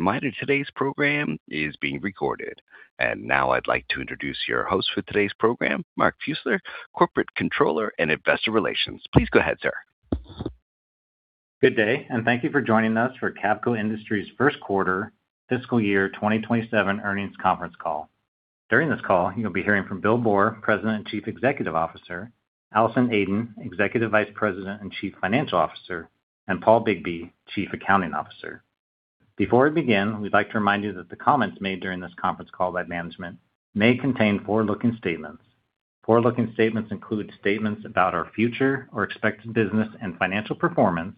Reminder, today's program is being recorded. Now I'd like to introduce your host for today's program, Mark Fusler, Corporate Controller and Investor Relations. Please go ahead, sir. Good day, thank you for joining us for Cavco Industries first quarter fiscal year 2027 earnings conference call. During this call, you'll be hearing from Bill Boor, President and Chief Executive Officer, Allison Aden, Executive Vice President and Chief Financial Officer, and Paul Bigbee, Chief Accounting Officer. Before we begin, we'd like to remind you that the comments made during this conference call by management may contain forward-looking statements. Forward-looking statements include statements about our future or expected business and financial performance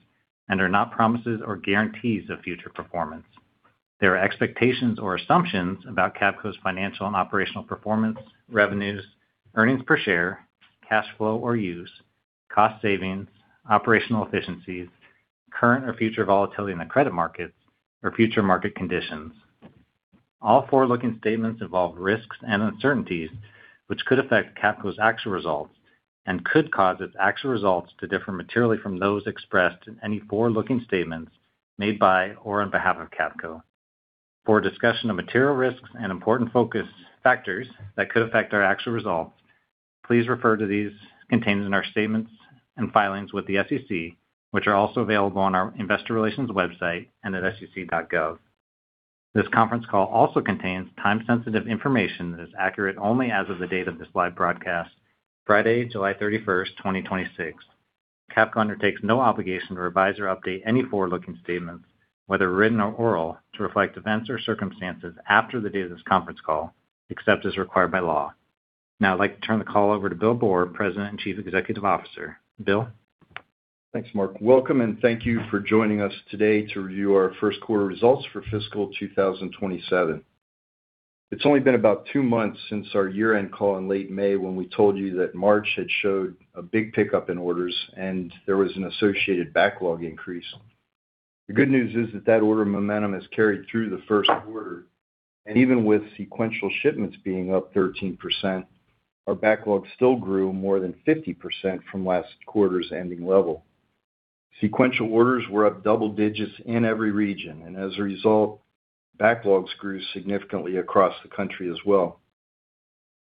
and are not promises or guarantees of future performance. There are expectations or assumptions about Cavco's financial and operational performance, revenues, earnings per share, cash flow or use, cost savings, operational efficiencies, current or future volatility in the credit markets or future market conditions. All forward-looking statements involve risks and uncertainties, which could affect Cavco's actual results and could cause its actual results to differ materially from those expressed in any forward-looking statements made by or on behalf of Cavco. For a discussion of material risks and important focus factors that could affect our actual results, please refer to these contained in our statements and filings with the SEC, which are also available on our investor relations website and at sec.gov. This conference call also contains time-sensitive information that is accurate only as of the date of this live broadcast, Friday, July 31st, 2026. Cavco undertakes no obligation to revise or update any forward-looking statements, whether written or oral, to reflect events or circumstances after the date of this conference call, except as required by law. Now I'd like to turn the call over to Bill Boor, President and Chief Executive Officer. Bill? Thanks, Mark. Welcome, thank you for joining us today to review our first quarter results for fiscal 2027. It's only been about two months since our year-end call in late May when we told you that March had showed a big pickup in orders, there was an associated backlog increase. The good news is that that order momentum has carried through the first quarter, even with sequential shipments being up 13%, our backlog still grew more than 50% from last quarter's ending level. Sequential orders were up double digits in every region, as a result, backlogs grew significantly across the country as well.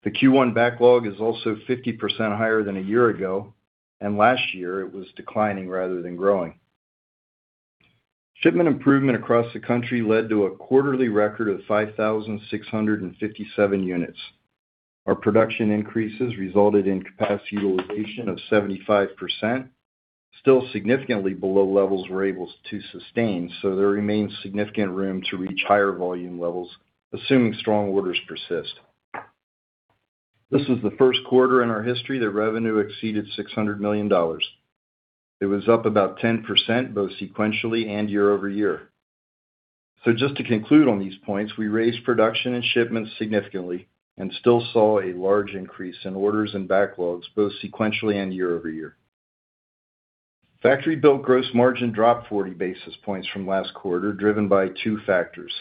The Q1 backlog is also 50% higher than a year ago, last year it was declining rather than growing. Shipment improvement across the country led to a quarterly record of 5,657 units. Our production increases resulted in capacity utilization of 75%, still significantly below levels we're able to sustain. There remains significant room to reach higher volume levels, assuming strong orders persist. This is the first quarter in our history that revenue exceeded $600 million. It was up about 10% both sequentially and year over year. Just to conclude on these points, we raised production and shipments significantly and still saw a large increase in orders and backlogs, both sequentially and year over year. Factory build gross margin dropped 40 basis points from last quarter, driven by two factors.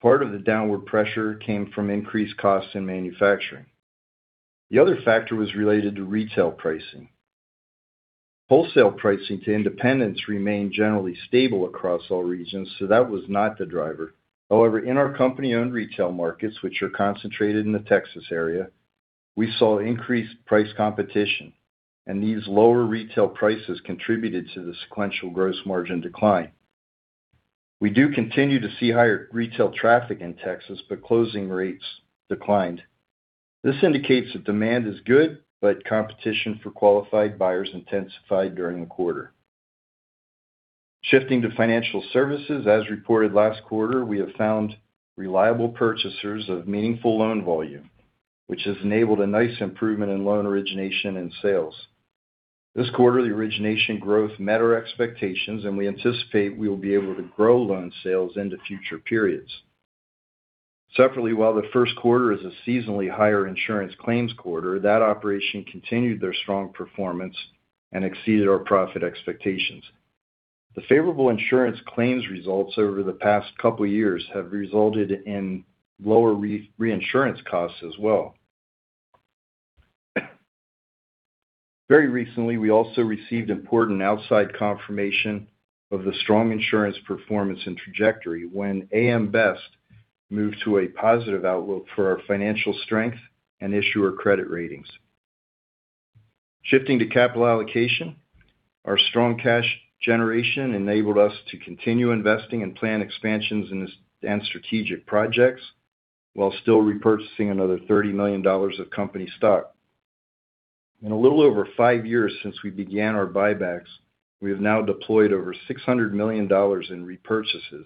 Part of the downward pressure came from increased costs in manufacturing. The other factor was related to retail pricing. Wholesale pricing to independents remained generally stable across all regions. That was not the driver. In our company-owned retail markets, which are concentrated in the Texas area, we saw increased price competition. These lower retail prices contributed to the sequential gross margin decline. We do continue to see higher retail traffic in Texas. Closing rates declined. This indicates that demand is good. Competition for qualified buyers intensified during the quarter. Shifting to financial services, as reported last quarter, we have found reliable purchasers of meaningful loan volume, which has enabled a nice improvement in loan origination and sales. This quarter, the origination growth met our expectations. We anticipate we will be able to grow loan sales into future periods. Separately, while the first quarter is a seasonally higher insurance claims quarter, that operation continued their strong performance and exceeded our profit expectations. The favorable insurance claims results over the past couple years have resulted in lower reinsurance costs as well. Very recently, we also received important outside confirmation of the strong insurance performance and trajectory when AM Best moved to a positive outlook for our financial strength and issuer credit ratings. Shifting to capital allocation, our strong cash generation enabled us to continue investing in planned expansions and strategic projects while still repurchasing another $30 million of company stock. In a little over five years since we began our buybacks, we have now deployed over $600 million in repurchases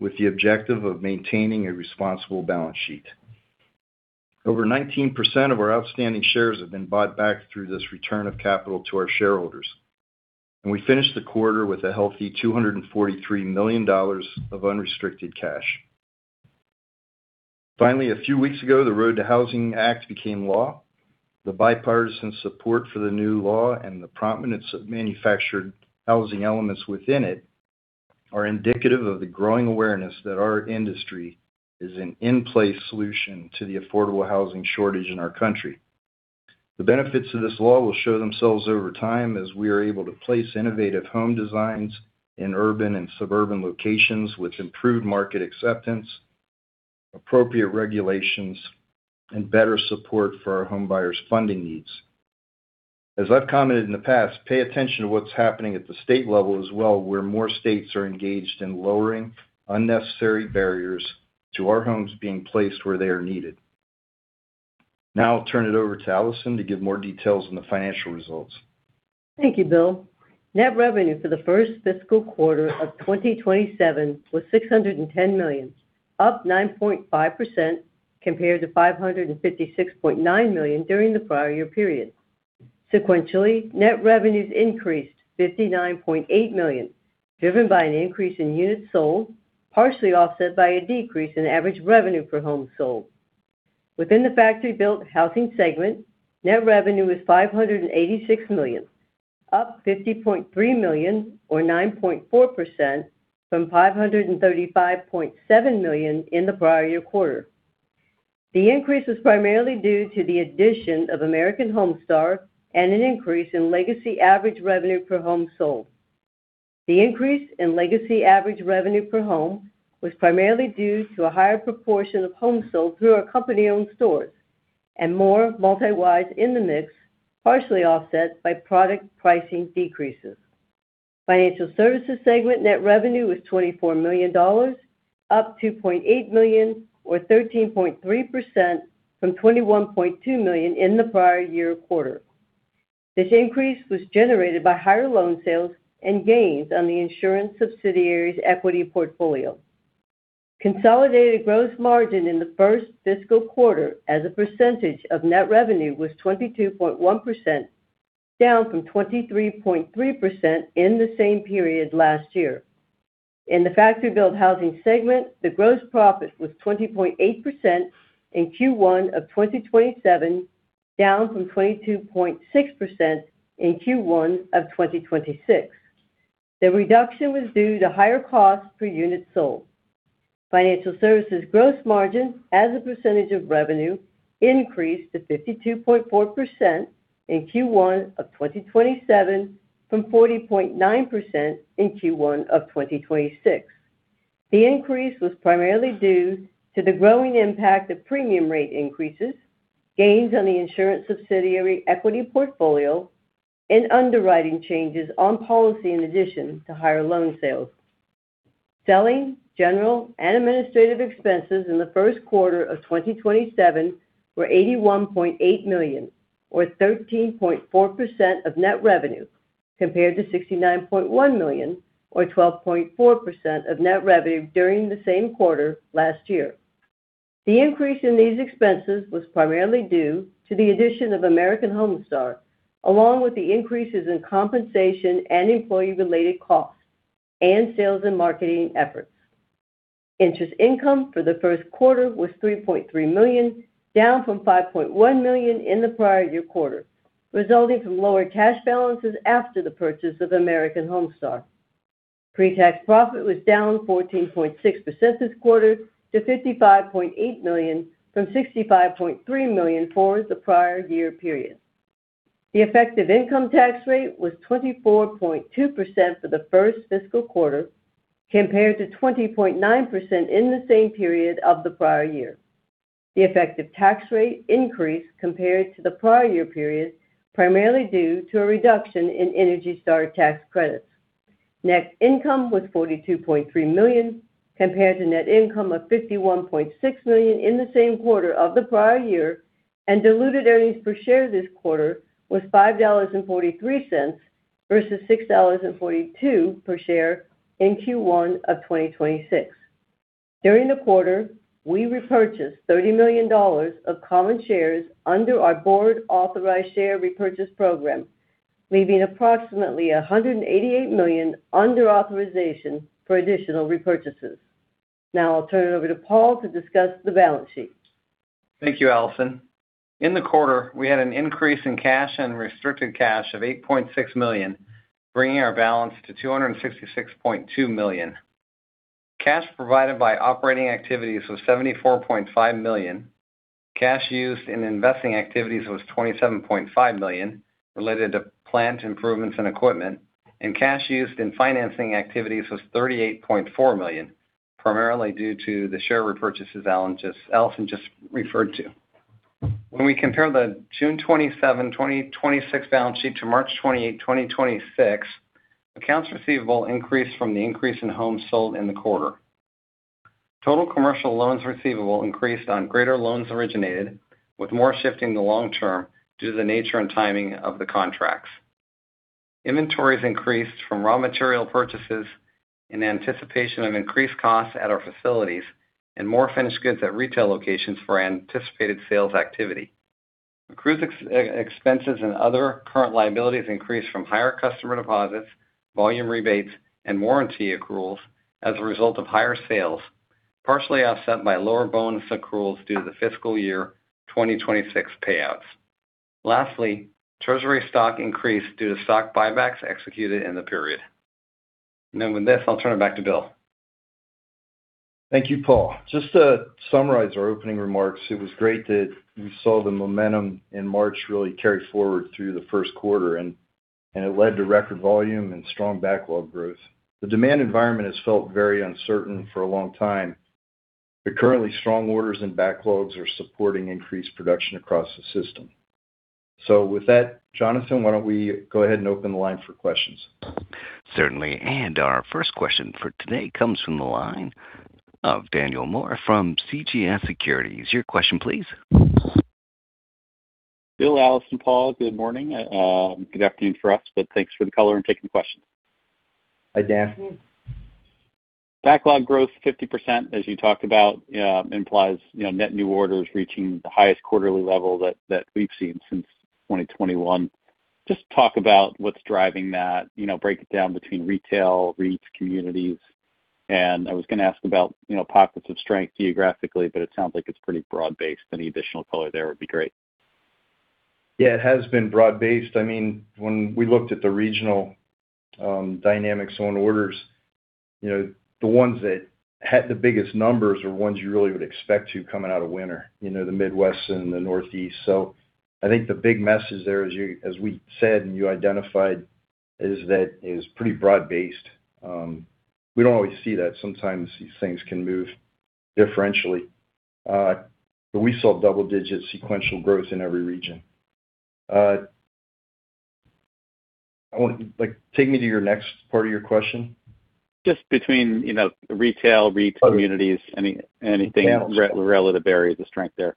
with the objective of maintaining a responsible balance sheet. Over 19% of our outstanding shares have been bought back through this return of capital to our shareholders. We finished the quarter with a healthy $243 million of unrestricted cash. Finally, a few weeks ago, the 21st Century ROAD to Housing Act became law. The bipartisan support for the new law and the prominence of manufactured housing elements within it are indicative of the growing awareness that our industry is an in-place solution to the affordable housing shortage in our country. The benefits of this law will show themselves over time as we are able to place innovative home designs in urban and suburban locations with improved market acceptance, appropriate regulations, and better support for our homebuyers' funding needs. As I've commented in the past, pay attention to what's happening at the state level as well, where more states are engaged in lowering unnecessary barriers to our homes being placed where they are needed. Now I'll turn it over to Allison to give more details on the financial results. Thank you, Bill. Net revenue for the first fiscal quarter of 2027 was $610 million, up 9.5% compared to $556.9 million during the prior year period. Sequentially, net revenues increased by $59.8 million, driven by an increase in units sold, partially offset by a decrease in average revenue per home sold. Within the factory-built housing segment, net revenue was $586 million, up $50.3 million or 9.4% from $535.7 million in the prior year quarter. The increase was primarily due to the addition of American Homestar and an increase in legacy average revenue per home sold. The increase in legacy average revenue per home was primarily due to a higher proportion of homes sold through our company-owned stores and more Multi-Wides in the mix, partially offset by product pricing decreases. Financial services segment net revenue was $24 million, up $2.8 million or 13.3% from $21.2 million in the prior year quarter. This increase was generated by higher loan sales and gains on the insurance subsidiary's equity portfolio. Consolidated gross margin in the first fiscal quarter as a percentage of net revenue was 22.1%, down from 23.3% in the same period last year. In the factory-built housing segment, the gross profit was 20.8% in Q1 of 2027, down from 22.6% in Q1 of 2026. The reduction was due to higher cost per unit sold. Financial services gross margin as a percentage of revenue increased to 52.4% in Q1 of 2027 from 40.9% in Q1 of 2026. The increase was primarily due to the growing impact of premium rate increases, gains on the insurance subsidiary equity portfolio, and underwriting changes on policy in addition to higher loan sales. Selling, general, and administrative expenses in the first quarter of 2027 were $81.8 million or 13.4% of net revenue, compared to $69.1 million or 12.4% of net revenue during the same quarter last year. The increase in these expenses was primarily due to the addition of American Homestar, along with the increases in compensation and employee-related costs, and sales and marketing efforts. Interest income for the first quarter was $3.3 million, down from $5.1 million in the prior year quarter, resulting from lower cash balances after the purchase of American Homestar. Pre-tax profit was down 14.6% this quarter to $55.8 million from $65.3 million for the prior year period. The effective income tax rate was 24.2% for the first fiscal quarter, compared to 20.9% in the same period of the prior year. The effective tax rate increased compared to the prior year period, primarily due to a reduction in Energy Star tax credits. Net income was $42.3 million, compared to net income of $51.6 million in the same quarter of the prior year, and diluted earnings per share this quarter was $5.43 versus $6.42 per share in Q1 of 2026. During the quarter, we repurchased $30 million of common shares under our board-authorized share repurchase program, leaving approximately $188 million under authorization for additional repurchases. I'll turn it over to Paul to discuss the balance sheet. Thank you, Allison. In the quarter, we had an increase in cash and restricted cash of $8.6 million, bringing our balance to $266.2 million. Cash provided by operating activities was $74.5 million. Cash used in investing activities was $27.5 million, related to plant improvements in equipment. Cash used in financing activities was $38.4 million, primarily due to the share repurchases Allison just referred to. When we compare the June 27, 2026 balance sheet to March 28, 2026, accounts receivable increased from the increase in homes sold in the quarter. Total commercial loans receivable increased on greater loans originated, with more shifting to long-term due to the nature and timing of the contracts. Inventories increased from raw material purchases in anticipation of increased costs at our facilities and more finished goods at retail locations for anticipated sales activity. Accrued expenses and other current liabilities increased from higher customer deposits, volume rebates, and warranty accruals as a result of higher sales, partially offset by lower bonus accruals due to the fiscal year 2026 payouts. Lastly, treasury stock increased due to stock buybacks executed in the period. With this, I'll turn it back to Bill. Thank you, Paul. Just to summarize our opening remarks, it was great that we saw the momentum in March really carry forward through the first quarter, and it led to record volume and strong backlog growth. The demand environment has felt very uncertain for a long time, but currently strong orders and backlogs are supporting increased production across the system. With that, Jonathan, why don't we go ahead and open the line for questions? Certainly. Our first question for today comes from the line of Daniel Moore from CJS Securities. Your question, please. Bill, Allison, Paul, good morning. Good afternoon for us, thanks for the color and taking the questions. Hi, Dan. Backlog growth 50%, as you talked about, implies net new orders reaching the highest quarterly level that we've seen since 2021. Just talk about what's driving that. Break it down between retail, REITs, communities. I was going to ask about pockets of strength geographically, it sounds like it's pretty broad-based. Any additional color there would be great. Yeah, it has been broad-based. When we looked at the regional dynamics on orders, the ones that had the biggest numbers are ones you really would expect to coming out of winter, the Midwest and the Northeast. I think the big message there, as we said and you identified, is that it is pretty broad-based. We don't always see that. Sometimes these things can move differentially. We saw double-digit sequential growth in every region. Take me to your next part of your question. Just between retail, REIT communities, anything relative areas of strength there.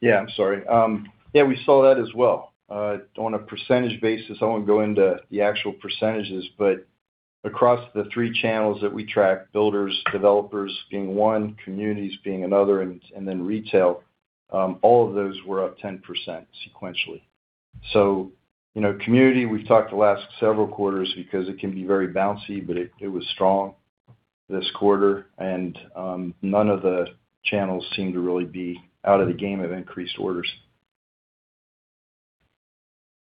Yeah. I'm sorry. Yeah, we saw that as well. On a percentage basis, I won't go into the actual percentages, across the three channels that we track, builders, developers being one, communities being another, and then retail, all of those were up 10% sequentially. Community, we've talked the last several quarters because it can be very bouncy, it was strong this quarter, and none of the channels seem to really be out of the game of increased orders.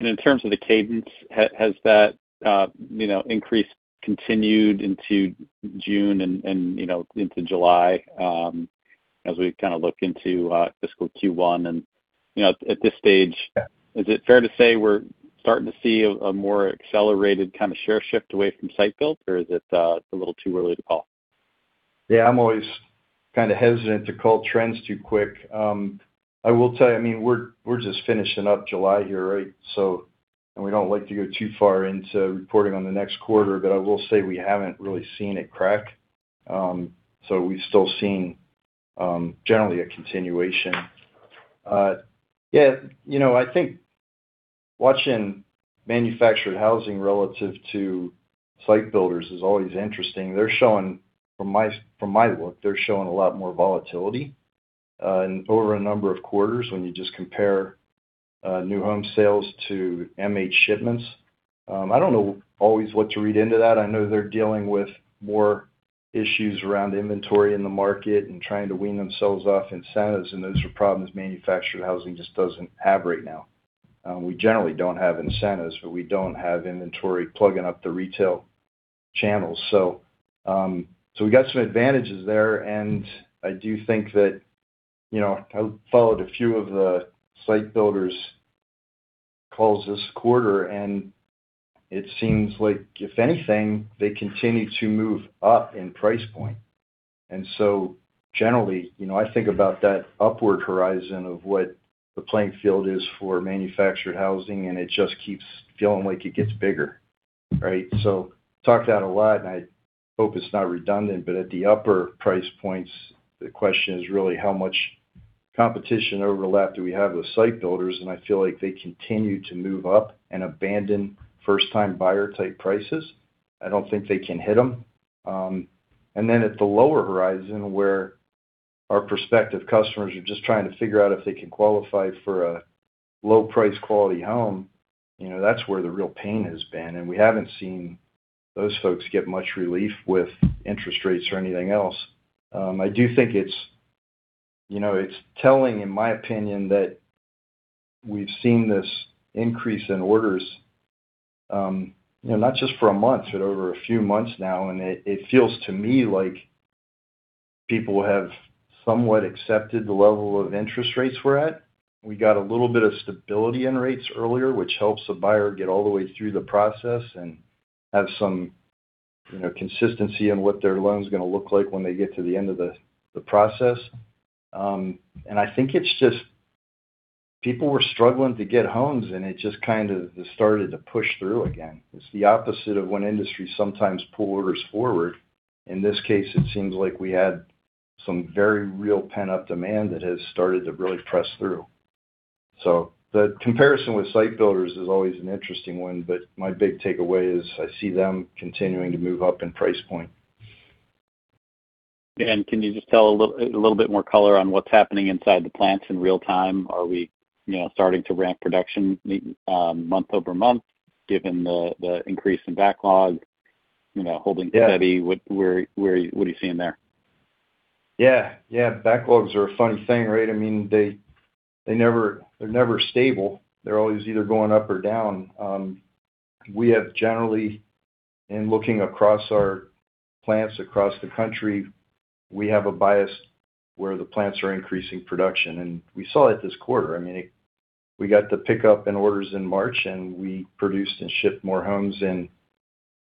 In terms of the cadence, has that increase continued into June and into July? As we kind of look into fiscal Q1 and, at this stage. Yeah. Is it fair to say we're starting to see a more accelerated kind of share shift away from site build, or is it a little too early to call? Yeah, I'm always kind of hesitant to call trends too quick. I will tell you, we're just finishing up July here, right? We don't like to go too far into reporting on the next quarter, but I will say we haven't really seen it crack. We've still seen, generally, a continuation. Yeah. I think watching manufactured housing relative to site builders is always interesting. From my look, they're showing a lot more volatility, over a number of quarters when you just compare new home sales to MH shipments. I don't know always what to read into that. I know they're dealing with more issues around inventory in the market and trying to wean themselves off incentives, and those are problems manufactured housing just doesn't have right now. We generally don't have incentives, but we don't have inventory plugging up the retail channels. We got some advantages there, and I do think that I followed a few of the site builders' calls this quarter, and it seems like, if anything, they continue to move up in price point. Generally, I think about that upward horizon of what the playing field is for manufactured housing, and it just keeps feeling like it gets bigger. Right? Talk that a lot, and I hope it's not redundant. At the upper price points, the question is really how much competition overlap do we have with site builders, and I feel like they continue to move up and abandon first-time buyer-type prices. I don't think they can hit them. At the lower horizon, where our prospective customers are just trying to figure out if they can qualify for a low-price, quality home, that's where the real pain has been, and we haven't seen those folks get much relief with interest rates or anything else. I do think it's telling, in my opinion, that we've seen this increase in orders, not just for a month, but over a few months now, and it feels to me like people have somewhat accepted the level of interest rates we're at. We got a little bit of stability in rates earlier, which helps the buyer get all the way through the process and have some consistency in what their loan's going to look like when they get to the end of the process. I think it's just people were struggling to get homes, it just kind of started to push through again. It's the opposite of when industries sometimes pull orders forward. In this case, it seems like we had some very real pent-up demand that has started to really press through. The comparison with site builders is always an interesting one, but my big takeaway is I see them continuing to move up in price point. Can you just tell a little more color on what's happening inside the plants in real time? Are we starting to ramp production month-over-month, given the increase in backlog, holding steady? Yeah. What are you seeing there? Yeah. Backlogs are a funny thing, right? They're never stable. They're always either going up or down. We have generally, in looking across our plants across the country, we have a bias where the plants are increasing production. We saw it this quarter. We got the pickup in orders in March, we produced and shipped more homes in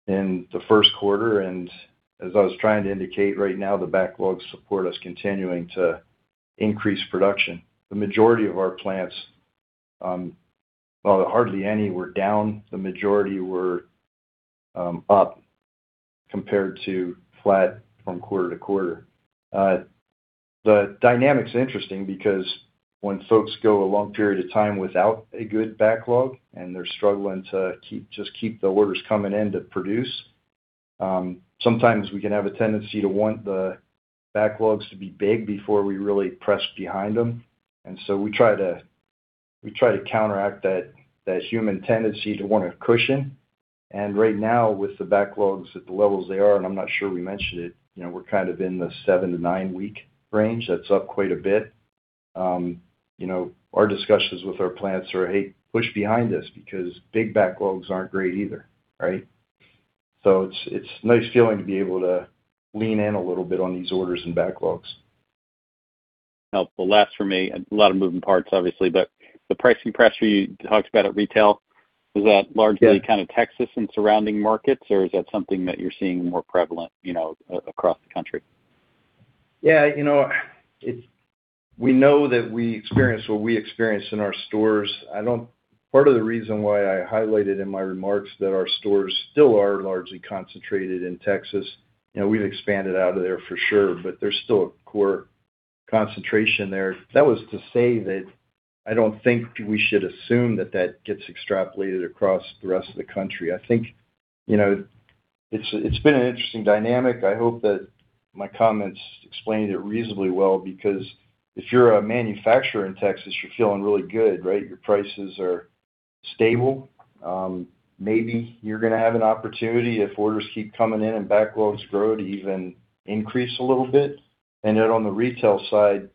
the first quarter. As I was trying to indicate right now, the backlogs support us continuing to increase production. The majority of our plants, well, hardly any were down. The majority were up compared to flat from quarter-to-quarter. The dynamic's interesting because when folks go a long period of time without a good backlog and they're struggling to just keep the orders coming in to produce, sometimes we can have a tendency to want the backlogs to be big before we really press behind them. We try to counteract that human tendency to want a cushion. Right now, with the backlogs at the levels they are, and I'm not sure we mentioned it, we're kind of in the seven to nine week range. That's up quite a bit. Our discussions with our plants are, hey, push behind us, because big backlogs aren't great either, right? It's a nice feeling to be able to lean in a little bit on these orders and backlogs. Helpful. Last for me, a lot of moving parts, obviously, but the pricing pressure you talked about at retail, is that largely kind of Texas and surrounding markets, or is that something that you're seeing more prevalent across the country? We know that we experience what we experience in our stores. Part of the reason why I highlighted in my remarks that our stores still are largely concentrated in Texas, we've expanded out of there for sure, but there's still a core concentration there. That was to say that I don't think we should assume that that gets extrapolated across the rest of the country. I think it's been an interesting dynamic. I hope that my comments explained it reasonably well, because if you're a manufacturer in Texas, you're feeling really good, right? Your prices are stable. Maybe you're going to have an opportunity if orders keep coming in and backlogs grow to even increase a little bit. Then on the retail side,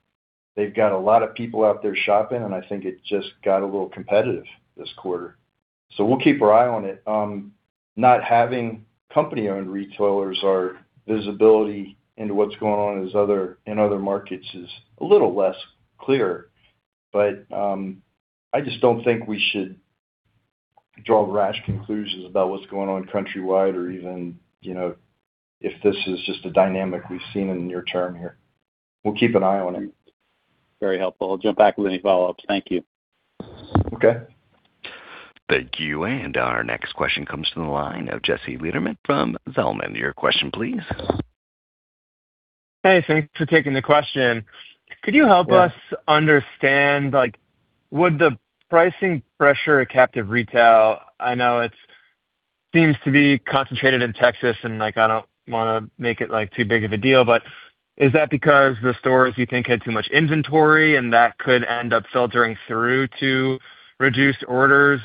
they've got a lot of people out there shopping, and I think it just got a little competitive this quarter. We'll keep our eye on it. Not having company-owned retailers, our visibility into what's going on in other markets is a little less clear. I just don't think we should draw rash conclusions about what's going on countrywide or even if this is just a dynamic we've seen in the near term here. We'll keep an eye on it. Very helpful. I'll jump back with any follow-ups. Thank you. Okay. Thank you. Our next question comes from the line of Jesse Lederman from Zelman. Your question, please. Hey, thanks for taking the question. Could you help us understand, would the pricing pressure at captive retail, I know it seems to be concentrated in Texas, and I don't want to make it too big of a deal, but is that because the stores, you think, had too much inventory and that could end up filtering through to reduced orders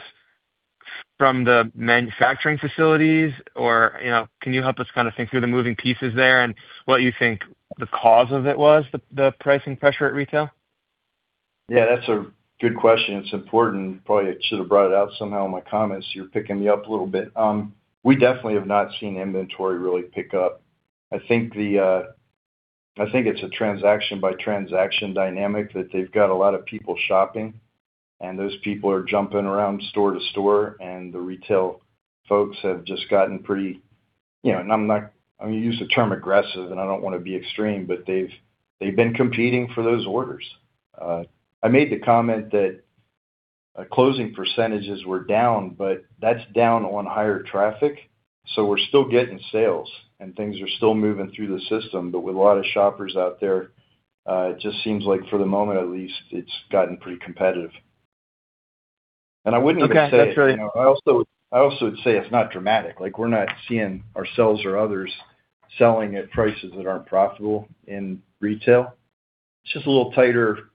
from the manufacturing facilities? Can you help us kind of think through the moving pieces there and what you think the cause of it was, the pricing pressure at retail? Yeah, that's a good question. It's important. Probably I should have brought it out somehow in my comments. You're picking me up a little bit. We definitely have not seen inventory really pick up. I think it's a transaction-by-transaction dynamic that they've got a lot of people shopping, and those people are jumping around store to store, and the retail folks have just gotten pretty, I'm going to use the term aggressive, and I don't want to be extreme, but they've been competing for those orders. I made the comment that closing percentages were down, but that's down on higher traffic, so we're still getting sales and things are still moving through the system. With a lot of shoppers out there, it just seems like for the moment at least, it's gotten pretty competitive. Okay. That's- I also would say it's not dramatic. We're not seeing ourselves or others selling at prices that aren't profitable in retail. It's just a little tighter.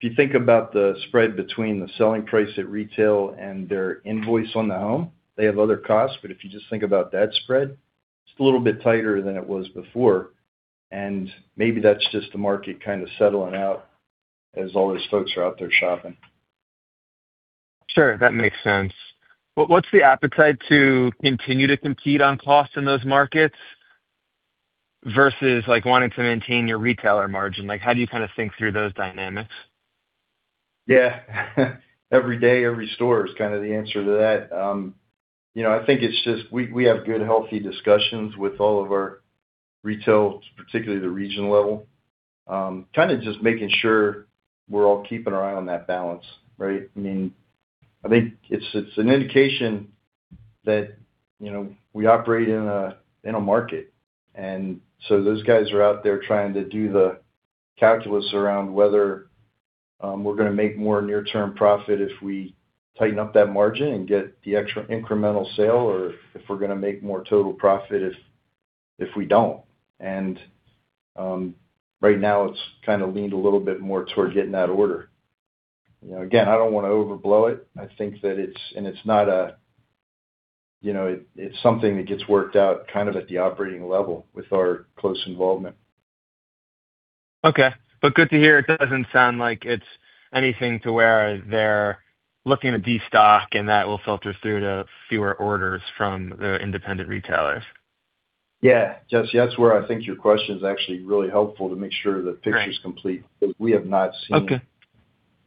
If you think about the spread between the selling price at retail and their invoice on the home, they have other costs, but if you just think about that spread, it's a little bit tighter than it was before. Maybe that's just the market kind of settling out as all those folks are out there shopping. Sure. That makes sense. What's the appetite to continue to compete on cost in those markets versus wanting to maintain your retailer margin? How do you kind of think through those dynamics? Yeah. Every day, every store is kind of the answer to that. I think it's just we have good, healthy discussions with all of our retail, particularly the region level, kind of just making sure we're all keeping our eye on that balance, right? I think it's an indication that we operate in a market. Those guys are out there trying to do the calculus around whether we're going to make more near-term profit if we tighten up that margin and get the extra incremental sale or if we're going to make more total profit if we don't. Right now it's kind of leaned a little bit more towards getting that order. Again, I don't want to overblow it. It's something that gets worked out kind of at the operating level with our close involvement. Okay. Good to hear. It doesn't sound like it's anything to where they're looking to destock, and that will filter through to fewer orders from the independent retailers. Yeah. Jesse, that's where I think your question is actually really helpful to make sure the picture's complete. Right. We have not seen- Okay.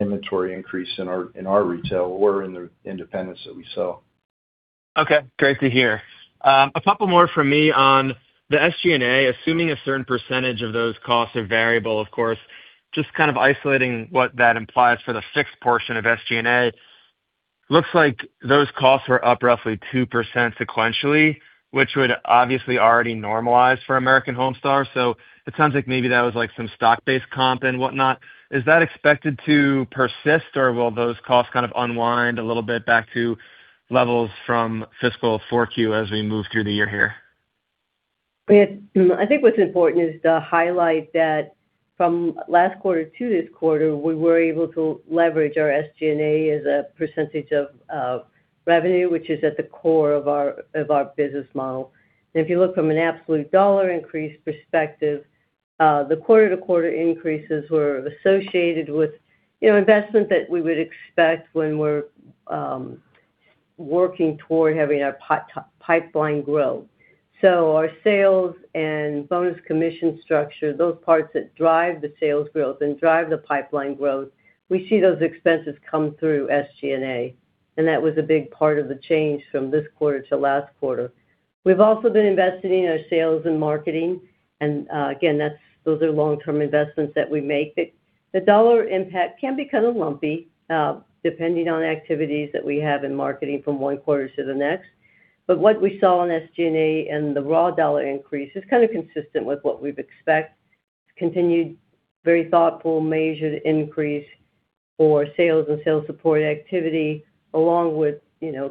Inventory increase in our retail or in the independents that we sell. Okay. Great to hear. A couple more from me on the SG&A. Assuming a certain percentage of those costs are variable, of course, just kind of isolating what that implies for the fixed portion of SG&A. Looks like those costs were up roughly 2% sequentially, which would obviously already normalize for American Homestar. It sounds like maybe that was some stock-based comp and whatnot. Is that expected to persist, or will those costs kind of unwind a little bit back to levels from fiscal 4Q as we move through the year here? I think what's important is to highlight that from last quarter to this quarter, we were able to leverage our SG&A as a percentage of revenue, which is at the core of our business model. If you look from an absolute dollar increase perspective, the quarter-to-quarter increases were associated with investment that we would expect when we're working toward having our pipeline grow. Our sales and bonus commission structure, those parts that drive the sales growth and drive the pipeline growth, we see those expenses come through SG&A, and that was a big part of the change from this quarter to last quarter. We've also been investing in our sales and marketing, and again, those are long-term investments that we make. The dollar impact can be kind of lumpy, depending on activities that we have in marketing from one quarter to the next. What we saw in SG&A and the raw dollar increase is kind of consistent with what we'd expect. Continued very thoughtful, measured increase for sales and sales support activity along with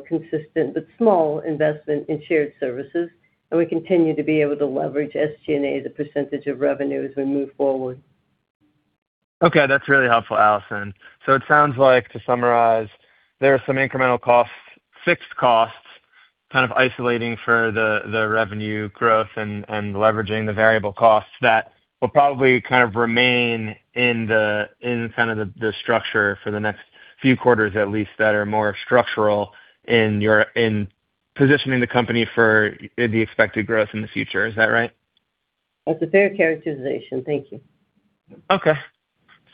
consistent but small investment in shared services. We continue to be able to leverage SG&A as a percentage of revenue as we move forward. Okay. That's really helpful, Allison. It sounds like, to summarize, there are some incremental costs, fixed costs, kind of isolating for the revenue growth and leveraging the variable costs that will probably kind of remain in the structure for the next few quarters at least, that are more structural in positioning the company for the expected growth in the future. Is that right? That's a fair characterization. Thank you. Okay.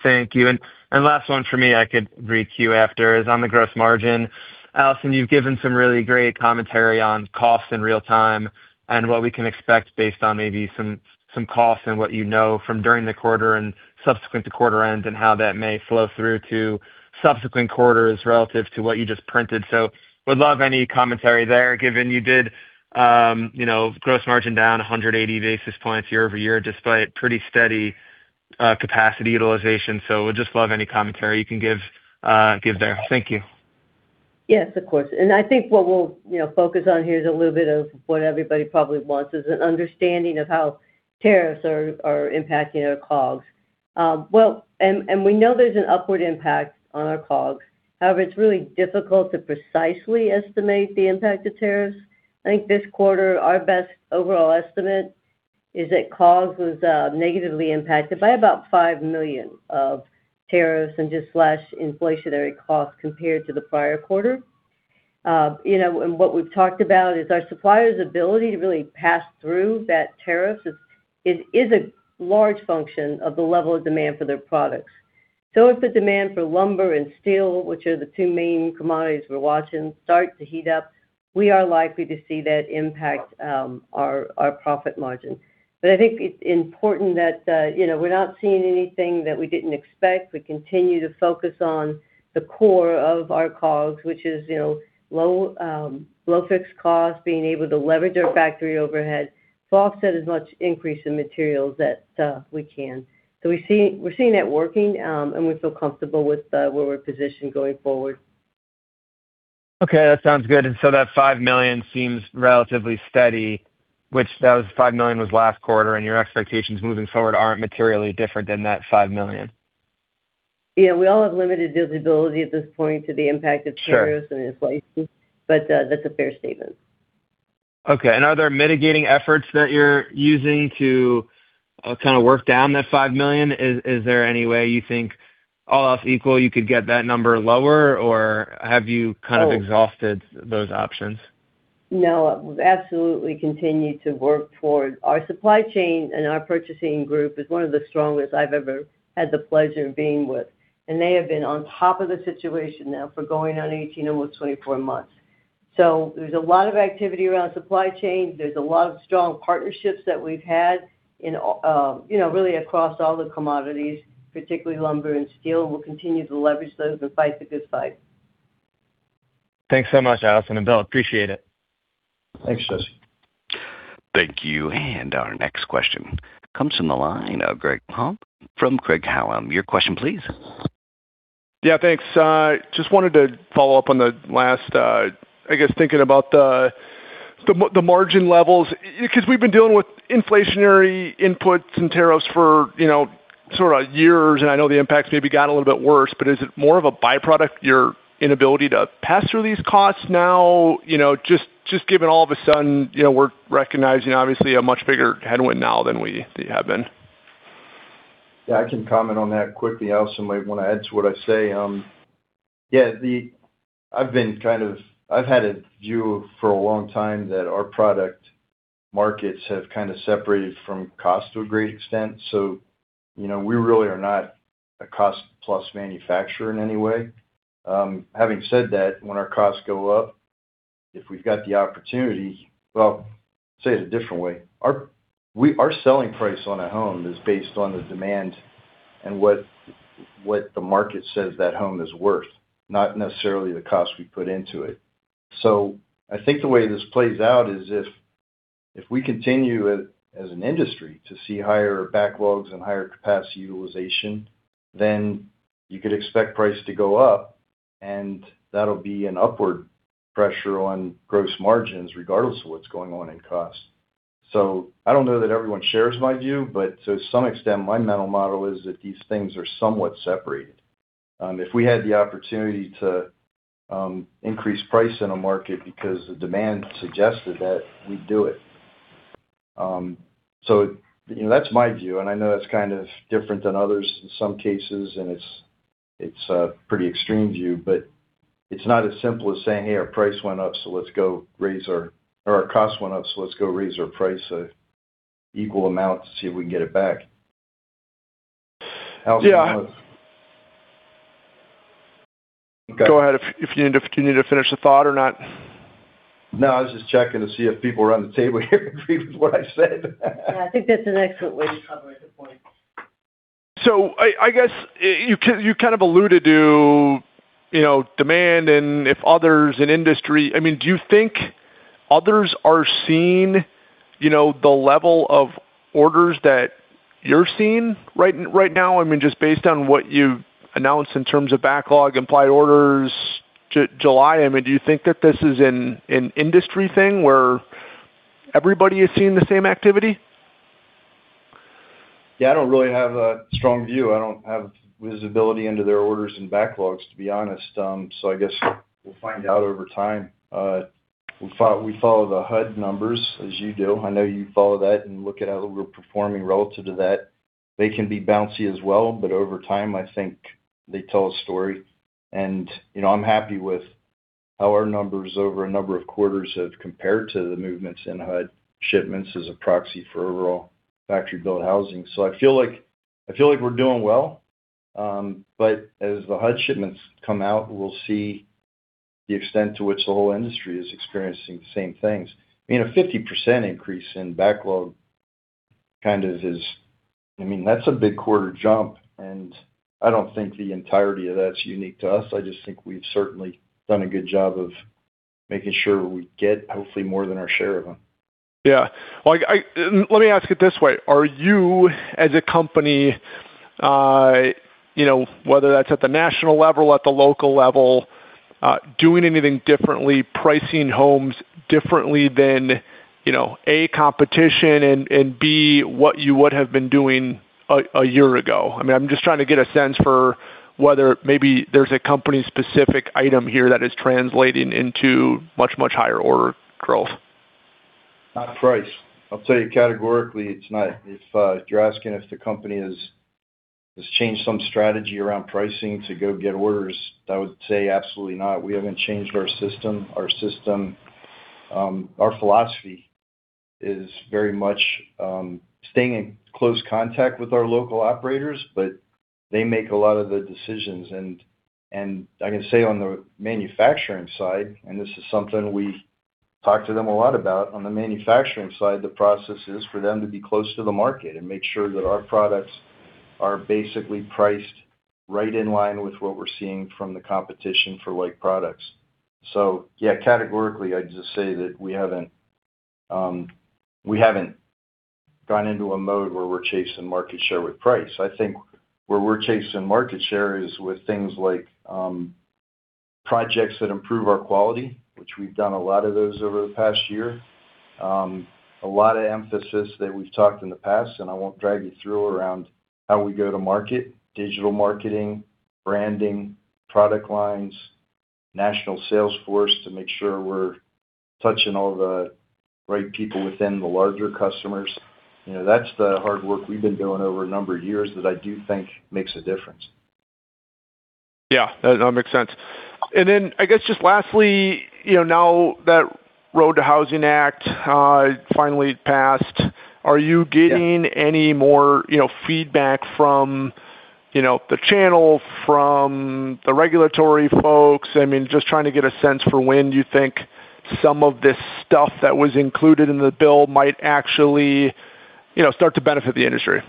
Thank you. Last one from me, I could requeue after, is on the gross margin. Allison, you've given some really great commentary on costs in real time and what we can expect based on maybe some costs and what you know from during the quarter and subsequent to quarter end, and how that may flow through to subsequent quarters relative to what you just printed. Would love any commentary there, given you did gross margin down 180 basis points year-over-year, despite pretty steady capacity utilization. Would just love any commentary you can give there. Thank you. Yes, of course. I think what we'll focus on here is a little bit of what everybody probably wants, is an understanding of how tariffs are impacting our COGS. We know there's an upward impact on our COGS. However, it's really difficult to precisely estimate the impact of tariffs. I think this quarter, our best overall estimate is that COGS was negatively impacted by about $5 million of tariffs and just slash inflationary costs compared to the prior quarter. What we've talked about is our suppliers' ability to really pass through that tariff. It is a large function of the level of demand for their products. If the demand for lumber and steel, which are the two main commodities we're watching, start to heat up, we are likely to see that impact our profit margin. I think it's important that we're not seeing anything that we didn't expect. We continue to focus on the core of our COGS, which is low fixed costs, being able to leverage our factory overhead, offset as much increase in materials that stuff we can. We're seeing that working, and we feel comfortable with where we're positioned going forward. Okay. That sounds good. That $5 million seems relatively steady, which that was $5 million was last quarter. Your expectations moving forward aren't materially different than that $5 million. Yeah. We all have limited visibility at this point to the impact of tariffs. Sure. Inflation, but that's a fair statement. Okay. Are there mitigating efforts that you're using to kind of work down that $5 million? Is there any way you think, all else equal, you could get that number lower? Have you kind of exhausted those options? No, we've absolutely continued to work toward our supply chain and our purchasing group is one of the strongest I've ever had the pleasure of being with, and they have been on top of the situation now for going on 18, almost 24 months. There's a lot of activity around supply chain. There's a lot of strong partnerships that we've had really across all the commodities, particularly lumber and steel. We'll continue to leverage those and fight the good fight. Thanks so much, Allison and Bill. Appreciate it. Thanks, Jesse. Thank you. Our next question comes from the line of Greg Palm from Craig-Hallum. Your question, please. Yeah, thanks. Wanted to follow up on the last, I guess thinking about the margin levels, because we've been dealing with inflationary inputs and tariffs for sort of years, and I know the impacts maybe got a little bit worse, but is it more of a byproduct, your inability to pass through these costs now? Given all of a sudden, we're recognizing obviously a much bigger headwind now than we have been. Yeah, I can comment on that quickly. Allison might want to add to what I say. I've had a view for a long time that our product markets have kind of separated from cost to a great extent, so we really are not a cost-plus manufacturer in any way. Having said that, when our costs go up, if we've got the opportunity Well, say it a different way. Our selling price on a home is based on the demand and what the market says that home is worth, not necessarily the cost we put into it. I think the way this plays out is if we continue, as an industry, to see higher backlogs and higher capacity utilization, then you could expect price to go up, and that'll be an upward pressure on gross margins regardless of what's going on in cost. I don't know that everyone shares my view, but to some extent, my mental model is that these things are somewhat separated. If we had the opportunity to increase price in a market because the demand suggested that, we'd do it. That's my view, and I know that's kind of different than others in some cases, and it's a pretty extreme view, but it's not as simple as saying, hey, our cost went up, so let's go raise our price an equal amount to see if we can get it back. Allison. Yeah. Go ahead if you need to finish the thought or not. No, I was just checking to see if people around the table here agree with what I said. Yeah, I think that's an excellent way to cover the point. I guess you kind of alluded to demand. Do you think others are seeing the level of orders that you're seeing right now, just based on what you've announced in terms of backlog, implied orders, July? Do you think that this is an industry thing where everybody is seeing the same activity? Yeah, I don't really have a strong view. I don't have visibility into their orders and backlogs, to be honest. I guess we'll find out over time. We follow the HUD numbers as you do. I know you follow that and look at how we're performing relative to that. They can be bouncy as well, but over time, I think they tell a story. I'm happy with how our numbers over a number of quarters have compared to the movements in HUD shipments as a proxy for overall factory-built housing. I feel like we're doing well. As the HUD shipments come out, we'll see the extent to which the whole industry is experiencing the same things. A 50% increase in backlog, that's a big quarter jump, and I don't think the entirety of that's unique to us. I just think we've certainly done a good job of making sure we get, hopefully, more than our share of them. Yeah. Let me ask it this way. Are you, as a company, whether that's at the national level, at the local level, doing anything differently, pricing homes differently than, A, competition and, B, what you would have been doing a year ago? I'm just trying to get a sense for whether maybe there's a company-specific item here that is translating into much, much higher order growth. Not price. I'll tell you categorically, it's not. If you're asking if the company has changed some strategy around pricing to go get orders, I would say absolutely not. We haven't changed our system. Our philosophy is very much staying in close contact with our local operators, but they make a lot of the decisions. I can say on the manufacturing side, and this is something we talk to them a lot about, on the manufacturing side, the process is for them to be close to the market and make sure that our products are basically priced right in line with what we're seeing from the competition for like products. Yeah, categorically, I'd just say that we haven't gone into a mode where we're chasing market share with price. I think where we're chasing market share is with things like projects that improve our quality, which we've done a lot of those over the past year. A lot of emphasis that we've talked in the past, and I won't drag you through around how we go to market, digital marketing, branding, product lines, national sales force to make sure we're touching all the right people within the larger customers. That's the hard work we've been doing over a number of years that I do think makes a difference. Yeah. No, that makes sense. Then, I guess just lastly, now that 21st Century ROAD to Housing Act finally passed, are you getting any more feedback from the channel, from the regulatory folks? Just trying to get a sense for when you think some of this stuff that was included in the bill might actually start to benefit the industry.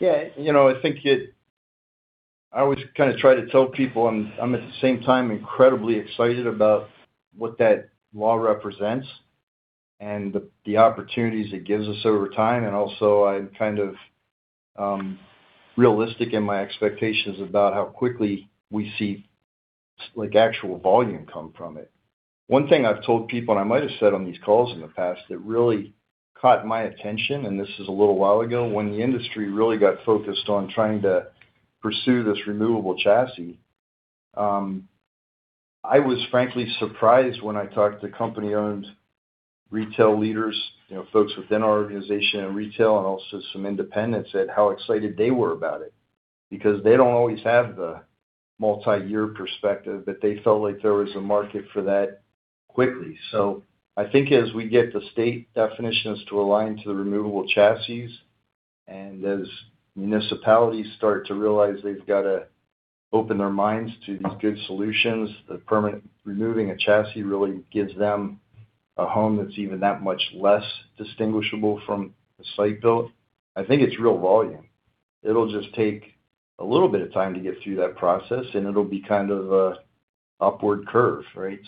Yeah. I always kind of try to tell people I'm, at the same time, incredibly excited about what that law represents and the opportunities it gives us over time, and also I'm kind of realistic in my expectations about how quickly we see actual volume come from it. One thing I've told people, and I might've said on these calls in the past, that really caught my attention, and this is a little while ago, when the industry really got focused on trying to pursue this removable chassis I was frankly surprised when I talked to company-owned retail leaders, folks within our organization and retail, and also some independents, at how excited they were about it, because they don't always have the multi-year perspective. They felt like there was a market for that quickly. I think as we get the state definitions to align to the removable chassis, and as municipalities start to realize they've got to open their minds to these good solutions, that permanent removing a chassis really gives them a home that's even that much less distinguishable from a site-built, I think it's real volume. It'll just take a little bit of time to get through that process, and it'll be kind of an upward curve, right?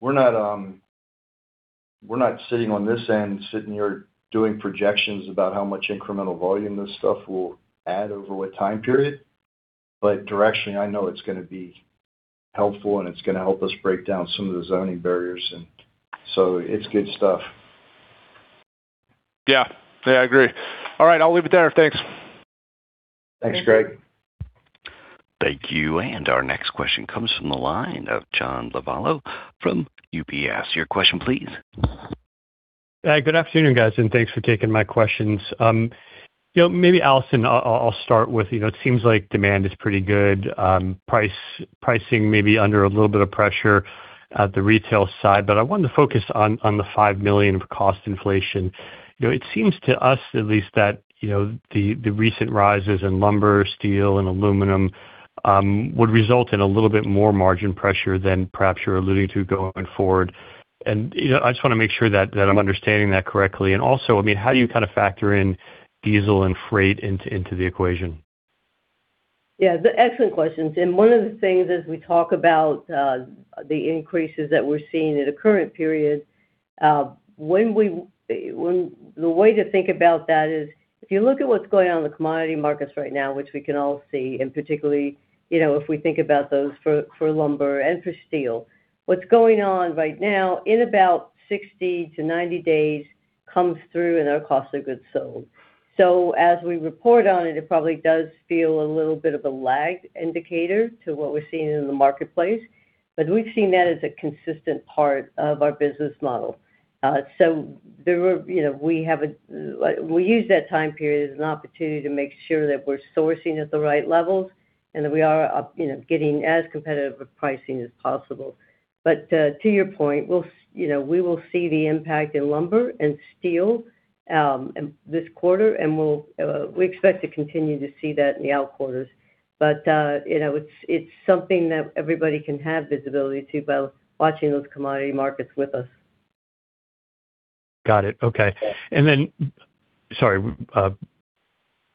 We're not sitting on this end, sitting here doing projections about how much incremental volume this stuff will add over what time period, but directionally, I know it's going to be helpful, and it's going to help us break down some of the zoning barriers, it's good stuff. Yeah. I agree. All right, I'll leave it there. Thanks. Thanks, Greg. Thank you. Our next question comes from the line of John Lovallo from UBS. Your question, please. Good afternoon, guys, thanks for taking my questions. Maybe Allison, I'll start with, it seems like demand is pretty good. Pricing may be under a little bit of pressure at the retail side, but I wanted to focus on the $5 million of cost inflation. It seems to us at least that the recent rises in lumber, steel, and aluminum would result in a little bit more margin pressure than perhaps you're alluding to going forward. Also, I just want to make sure that I'm understanding that correctly. How do you factor in diesel and freight into the equation? Yeah, excellent questions. One of the things as we talk about the increases that we're seeing in the current period, the way to think about that is, if you look at what's going on in the commodity markets right now, which we can all see, particularly, if we think about those for lumber and for steel, what's going on right now in about 60-90 days comes through in our cost of goods sold. As we report on it probably does feel a little bit of a lagged indicator to what we're seeing in the marketplace, but we've seen that as a consistent part of our business model. We use that time period as an opportunity to make sure that we're sourcing at the right levels and that we are getting as competitive with pricing as possible. To your point, we will see the impact in lumber and steel this quarter, and we expect to continue to see that in the out quarters. It's something that everybody can have visibility to by watching those commodity markets with us. Got it. Okay. Sorry,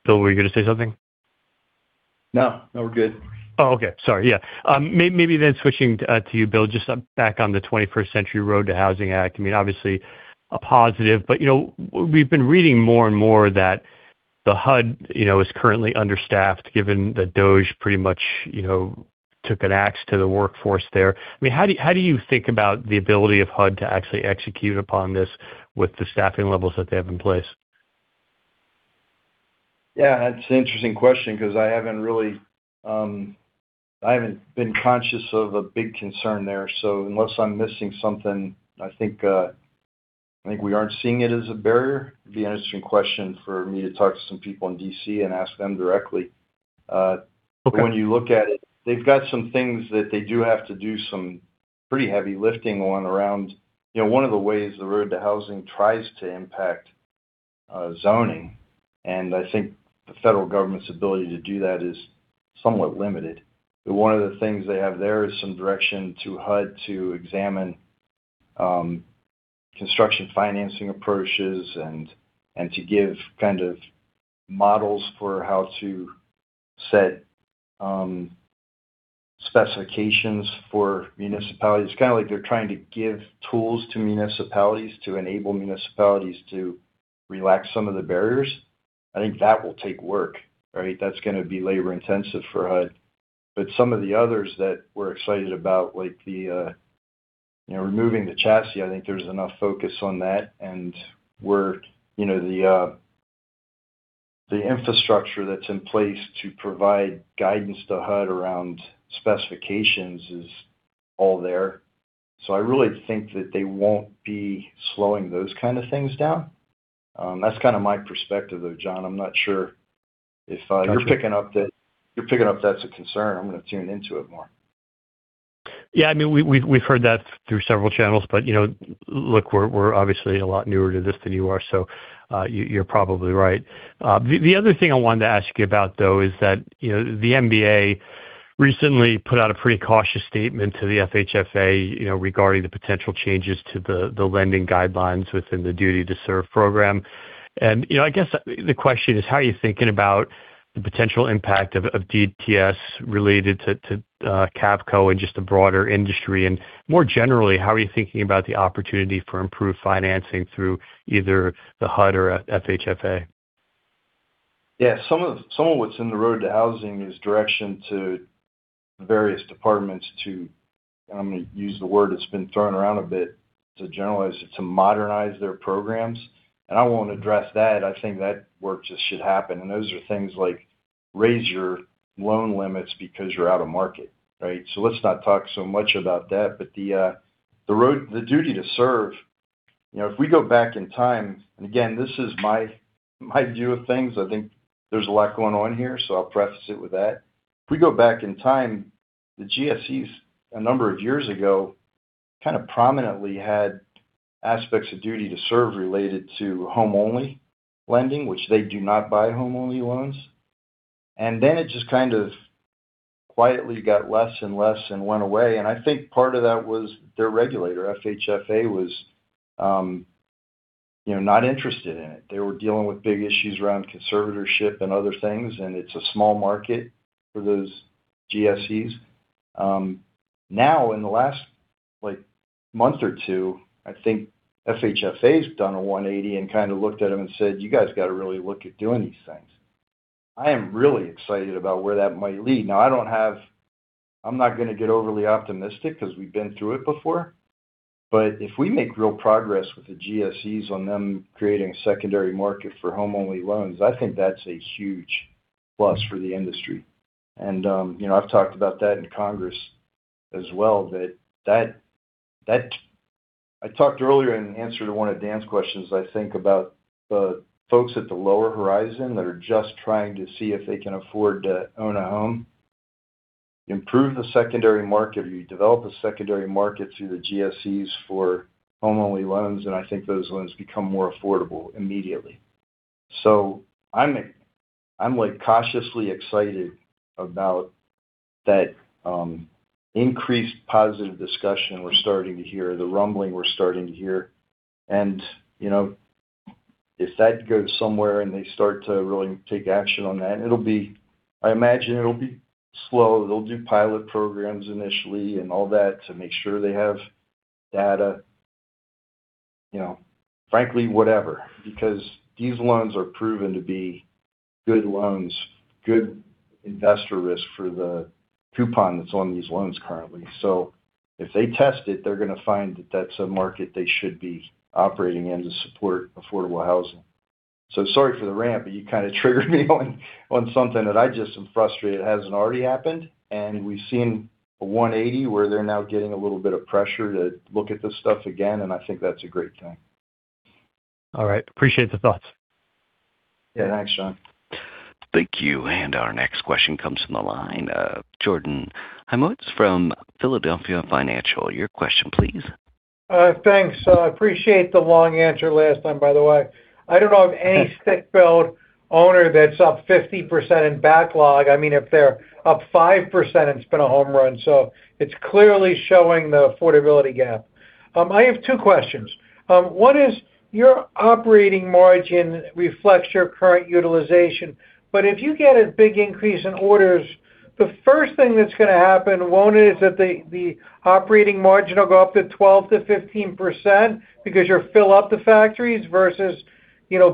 Bill, were you going to say something? No, we're good. Okay. Sorry, yeah. Maybe switching to you, Bill, just back on the 21st Century ROAD to Housing Act, obviously a positive, but we've been reading more and more that the HUD is currently understaffed given that DOGE pretty much took an axe to the workforce there. How do you think about the ability of HUD to actually execute upon this with the staffing levels that they have in place? Yeah, that's an interesting question because I haven't been conscious of a big concern there, so unless I'm missing something, I think we aren't seeing it as a barrier. It'd be an interesting question for me to talk to some people in D.C. and ask them directly. Okay. When you look at it, they've got some things that they do have to do some pretty heavy lifting on around one of the ways the 21st Century ROAD to Housing Act tries to impact zoning, and I think the federal government's ability to do that is somewhat limited. One of the things they have there is some direction to HUD to examine construction financing approaches and to give kind of models for how to set specifications for municipalities. It's kind of like they're trying to give tools to municipalities to enable municipalities to relax some of the barriers. I think that will take work, right? That's going to be labor-intensive for HUD. Some of the others that we're excited about, like the removing the chassis, I think there's enough focus on that, and the infrastructure that's in place to provide guidance to HUD around specifications is all there. I really think that they won't be slowing those kind of things down. That's kind of my perspective, though, John. I'm not sure if you're picking up that's a concern. I'm going to tune into it more. We've heard that through several channels, but look, we're obviously a lot newer to this than you are, you're probably right. The other thing I wanted to ask you about, though, is that the MBA recently put out a pretty cautious statement to the FHFA regarding the potential changes to the lending guidelines within the Duty to Serve program. I guess the question is, how are you thinking about the potential impact of DTS related to Cavco and just the broader industry? More generally, how are you thinking about the opportunity for improved financing through either the HUD or FHFA? Some of what's in the 21st Century ROAD to Housing Act is direction to various departments. I'm going to use the word that's been thrown around a bit to generalize it, to modernize their programs. I won't address that. I think that work just should happen. Those are things like raise your loan limits because you're out of market, right? Let's not talk so much about that. The Duty to Serve, if we go back in time, and again, this is my view of things, I think there's a lot going on here, so I'll preface it with that. If we go back in time, the GSEs, a number of years ago, prominently had aspects of Duty to Serve related to home only lending, which they do not buy home only loans. Then it just quietly got less and less and went away. I think part of that was their regulator, FHFA, was not interested in it. They were dealing with big issues around conservatorship and other things, and it's a small market for those GSEs. In the last month or two, I think FHFA's done a 180 and looked at them and said, you guys got to really look at doing these things. I am really excited about where that might lead. I'm not going to get overly optimistic because we've been through it before. If we make real progress with the GSEs on them creating a secondary market for home only loans, I think that's a huge plus for the industry. I've talked about that in Congress as well. I talked earlier in answer to one of Dan's questions, I think about the folks at the lower horizon that are just trying to see if they can afford to own a home. Improve the secondary market, or you develop a secondary market through the GSEs for home only loans, and I think those loans become more affordable immediately. I'm cautiously excited about that increased positive discussion we're starting to hear, the rumbling we're starting to hear. If that goes somewhere and they start to really take action on that, I imagine it'll be slow. They'll do pilot programs initially and all that to make sure they have data. Frankly, whatever, because these loans are proven to be good loans, good investor risk for the coupon that's on these loans currently. If they test it, they're going to find that that's a market they should be operating in to support affordable housing. Sorry for the rant, but you kind of triggered me on something that I just am frustrated it hasn't already happened. We've seen a 180, where they're now getting a little bit of pressure to look at this stuff again, and I think that's a great thing. All right. Appreciate the thoughts. Yeah. Thanks, John. Thank you. Our next question comes from the line, Jordan Hymowitz from Philadelphia Financial. Your question, please. Thanks. I appreciate the long answer last time, by the way. I don't know of any stick-built owner that's up 50% in backlog. If they're up 5%, it's been a home run. It's clearly showing the affordability gap. I have two questions. One is, your operating margin reflects your current utilization, but if you get a big increase in orders, the first thing that's going to happen, won't it, is that the operating margin will go up to 12%-15% because you'll fill up the factories versus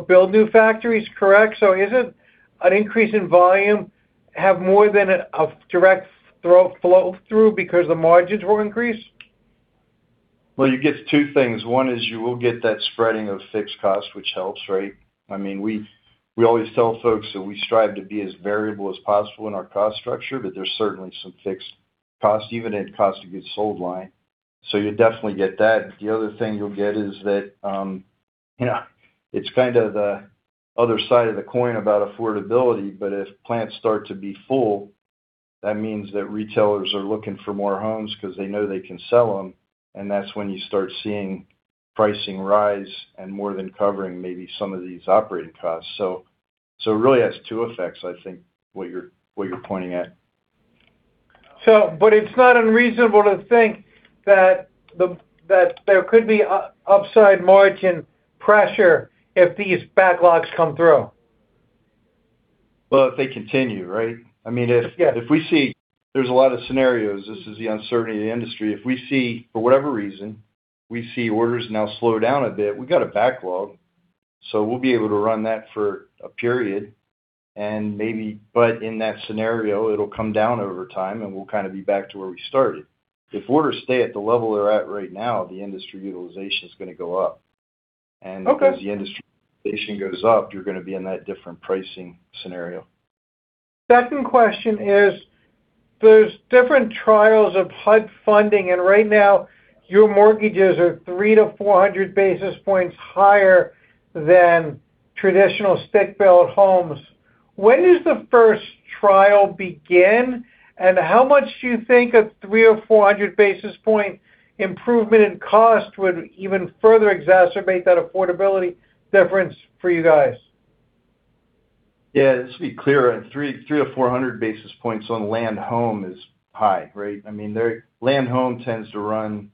build new factories, correct? Is it an increase in volume have more than a direct flow through because the margins will increase? Well, you get two things. One is you will get that spreading of fixed costs, which helps, right? We always tell folks that we strive to be as variable as possible in our cost structure, but there's certainly some fixed cost, even in cost of goods sold line. You'll definitely get that. The other thing you'll get is that it's kind of the other side of the coin about affordability, but if plants start to be full, that means that retailers are looking for more homes because they know they can sell them, and that's when you start seeing pricing rise and more than covering maybe some of these operating costs. It really has two effects, I think, what you're pointing at. It's not unreasonable to think that there could be upside margin pressure if these backlogs come through. Well, if they continue, right? Yeah. There's a lot of scenarios. This is the uncertainty of the industry. If we see, for whatever reason, we see orders now slow down a bit, we've got a backlog, so we'll be able to run that for a period. In that scenario, it'll come down over time, and we'll kind of be back to where we started. If orders stay at the level they're at right now, the industry utilization is going to go up. Okay. As the industry utilization goes up, you're going to be in that different pricing scenario. Second question is, there's different trials of HUD funding. Right now your mortgages are 300-400 basis points higher than traditional stick-built homes. When does the first trial begin? How much do you think a 300 or 400 basis point improvement in cost would even further exacerbate that affordability difference for you guys? Yeah. Just to be clear, 300-400 basis points on land home is high, right? Land home tends to run,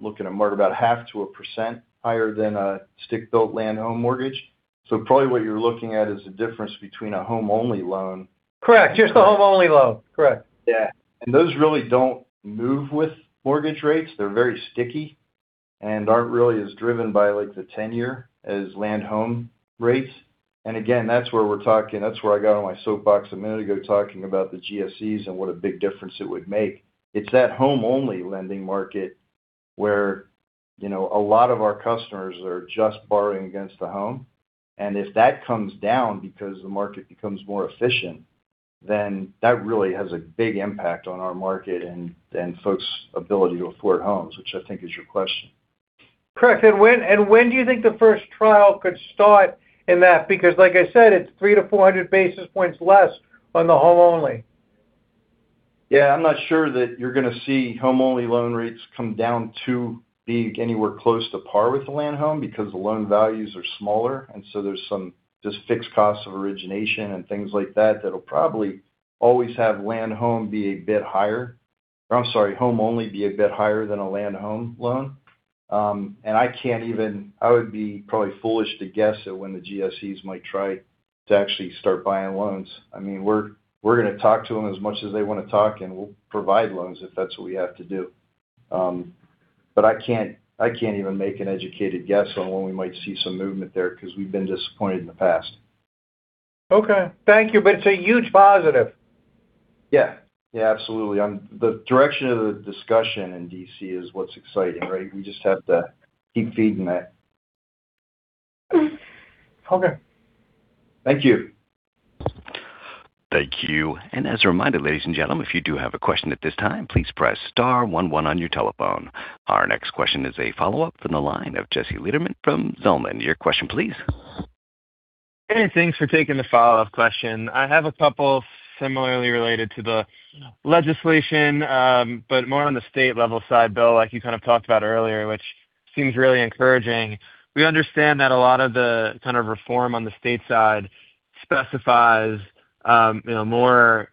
looking at market, about half to a percent higher than a stick-built land home mortgage. Probably what you're looking at is the difference between a home only loan- Correct. Just the home only loan. Correct. Yeah. Those really don't move with mortgage rates. They're very sticky. Aren't really as driven by the tenure as land home rates. Again, that's where we're talking. That's where I got on my soapbox a minute ago, talking about the GSEs and what a big difference it would make. It's that home-only lending market where a lot of our customers are just borrowing against the home. If that comes down because the market becomes more efficient, then that really has a big impact on our market and folks' ability to afford homes, which I think is your question. When do you think the first trial could start in that? Because like I said, it's 300-400 basis points less on the home only. Yeah, I'm not sure that you're going to see home-only loan rates come down to be anywhere close to par with the land home, because the loan values are smaller, and so there's some just fixed costs of origination and things like that'll probably always have land home be a bit higher. I'm sorry, home only be a bit higher than a land home loan. I would be probably foolish to guess at when the GSEs might try to actually start buying loans. We're going to talk to them as much as they want to talk, and we'll provide loans if that's what we have to do. I can't even make an educated guess on when we might see some movement there, because we've been disappointed in the past. Okay. Thank you. It's a huge positive. Yeah. Absolutely. The direction of the discussion in D.C. is what's exciting, right? We just have to keep feeding that. Okay. Thank you. Thank you. As a reminder, ladies and gentlemen, if you do have a question at this time, please press star one one on your telephone. Our next question is a follow-up from the line of Jesse Lederman from Zelman. Your question, please. Hey, thanks for taking the follow-up question. I have a couple similarly related to the legislation, but more on the state-level side, Bill, like you kind of talked about earlier, which seems really encouraging. We understand that a lot of the kind of reform on the state side specifies more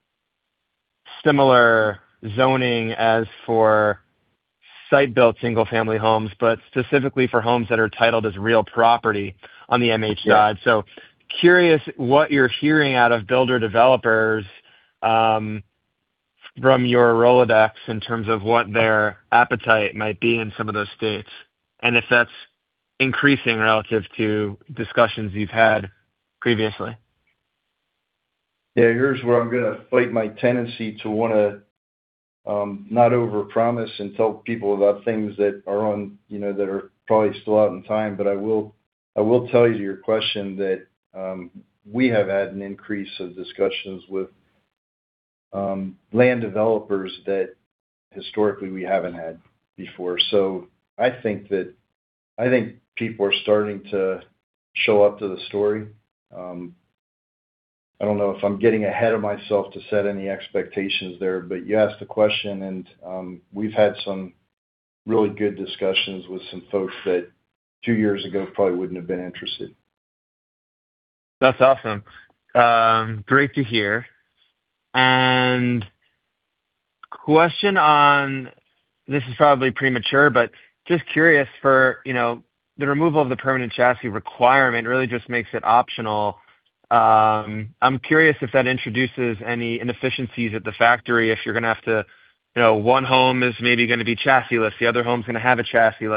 similar zoning as for site-built single family homes, but specifically for homes that are titled as real property on the MH side. Curious what you're hearing out of builder developers from your Rolodex in terms of what their appetite might be in some of those states, and if that's increasing relative to discussions you've had previously. Yeah. Here's where I'm going to fight my tendency to want to not overpromise and tell people about things that are probably still out in time. I will tell you, to your question, that we have had an increase of discussions with land developers that historically we haven't had before. I think people are starting to show up to the story. I don't know if I'm getting ahead of myself to set any expectations there, but you asked a question, and we've had some really good discussions with some folks that two years ago probably wouldn't have been interested. Question on, this is probably premature, but just curious for the removal of the permanent chassis requirement really just makes it optional. I'm curious if that introduces any inefficiencies at the factory, if you're going to have to, one home is maybe going to be chassis-less, the other home's going to have a chassis.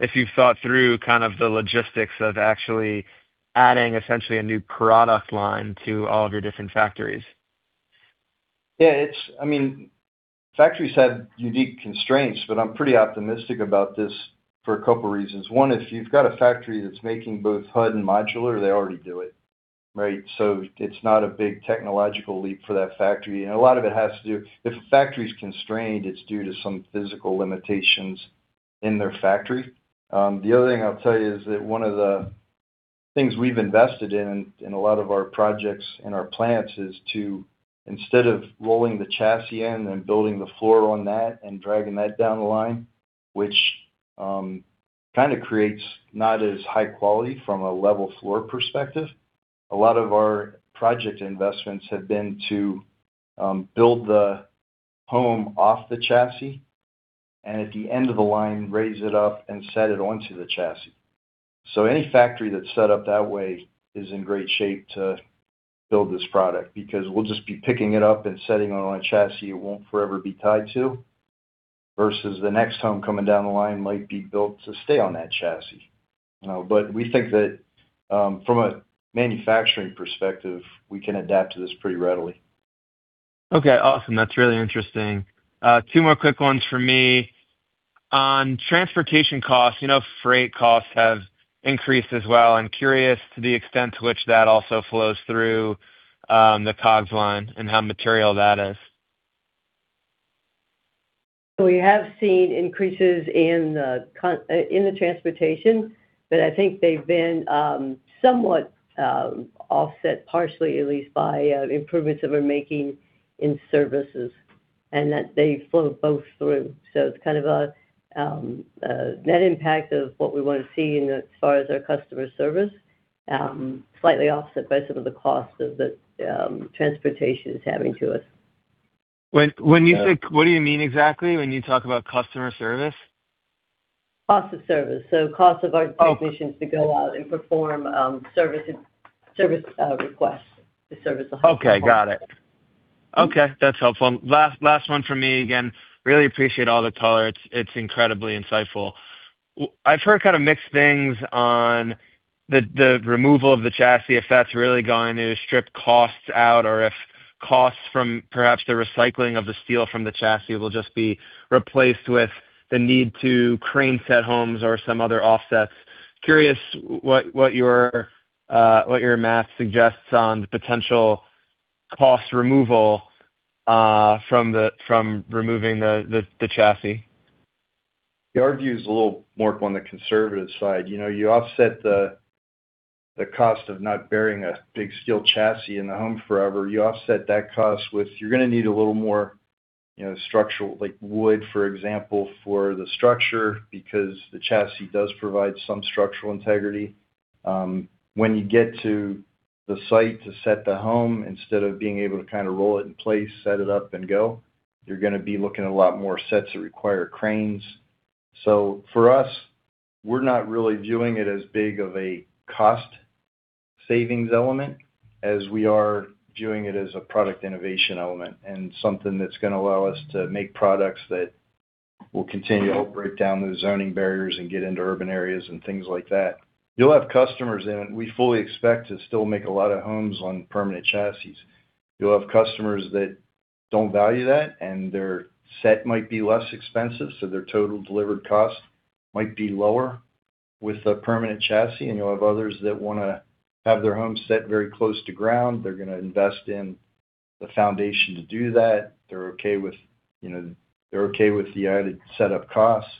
If you've thought through kind of the logistics of actually adding essentially a new product line to all of your different factories. Yeah. Factories have unique constraints, I'm pretty optimistic about this for a couple reasons. One, if you've got a factory that's making both HUD and modular, they already do it. Right? It's not a big technological leap for that factory. A lot of it has to do If a factory's constrained, it's due to some physical limitations in their factory. The other thing I'll tell you is that one of the things we've invested in a lot of our projects and our plants, is to, instead of rolling the chassis in and building the floor on that and dragging that down the line, which kind of creates not as high quality from a level floor perspective, a lot of our project investments have been to build the home off the chassis, and at the end of the line, raise it up and set it onto the chassis. Any factory that's set up that way is in great shape to build this product, because we'll just be picking it up and setting it on a chassis it won't forever be tied to, versus the next home coming down the line might be built to stay on that chassis. We think that from a manufacturing perspective, we can adapt to this pretty readily. Okay. Awesome. That's really interesting. Two more quick ones for me. On transportation costs, you know freight costs have increased as well. I'm curious to the extent to which that also flows through the COGS line and how material that is. We have seen increases in the transportation, but I think they've been somewhat offset partially at least by improvements that we're making in services, and that they flow both through. It's kind of a net impact of what we want to see as far as our customer service. Slightly offset by some of the costs that transportation is having to us. What do you mean exactly when you talk about customer service? Cost of service. Cost of our technicians. Oh. To go out and perform service requests to service the home. Okay, got it. Okay. That's helpful. Last one from me. Again, really appreciate all the color. It's incredibly insightful. I've heard kind of mixed things on the removal of the chassis, if that's really going to strip costs out or if costs from perhaps the recycling of the steel from the chassis will just be replaced with the need to crane set homes or some other offsets. Curious what your math suggests on the potential cost removal from removing the chassis. Our view is a little more on the conservative side. You offset the cost of not burying a big steel chassis in the home forever. You offset that cost with, you're going to need a little more structural, like wood, for example, for the structure because the chassis does provide some structural integrity. When you get to the site to set the home, instead of being able to kind of roll it in place, set it up, and go, you're going to be looking at a lot more sets that require cranes. For us, we're not really viewing it as big of a cost savings element as we are viewing it as a product innovation element and something that's going to allow us to make products that will continue to help break down those zoning barriers and get into urban areas and things like that. You'll have customers, and we fully expect to still make a lot of homes on permanent chassis. You'll have customers that don't value that, and their set might be less expensive, so their total delivered cost might be lower with a permanent chassis. You'll have others that want to have their home set very close to ground. They're going to invest in the foundation to do that. They're okay with the added set of costs.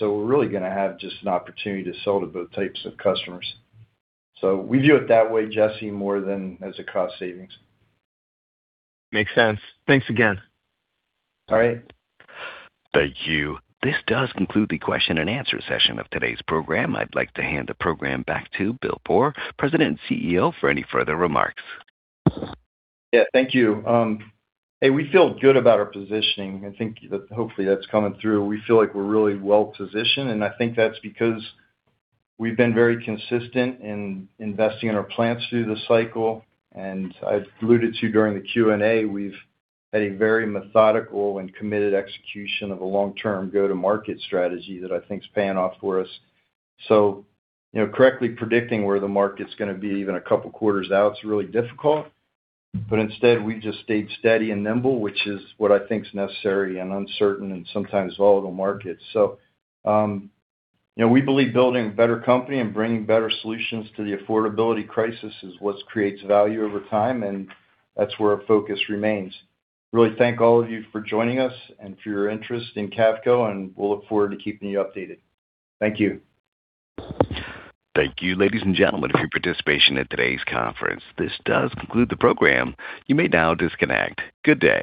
We're really going to have just an opportunity to sell to both types of customers. We view it that way, Jesse, more than as a cost savings. Makes sense. Thanks again. All right. Thank you. This does conclude the question and answer session of today's program. I'd like to hand the program back to Bill Boor, President and CEO, for any further remarks. Yeah, thank you. Hey, we feel good about our positioning. I think that hopefully that's coming through. We feel like we're really well-positioned, and I think that's because we've been very consistent in investing in our plants through the cycle. I've alluded to during the Q&A, we've had a very methodical and committed execution of a long-term go-to-market strategy that I think is paying off for us. Correctly predicting where the market's going to be even a couple quarters out is really difficult. Instead, we just stayed steady and nimble, which is what I think is necessary in uncertain and sometimes volatile markets. We believe building a better company and bringing better solutions to the affordability crisis is what creates value over time, and that's where our focus remains. Really thank all of you for joining us and for your interest in Cavco. We'll look forward to keeping you updated. Thank you. Thank you, ladies and gentlemen, for your participation in today's conference. This does conclude the program. You may now disconnect. Good day.